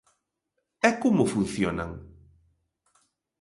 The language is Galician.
E como funcionan?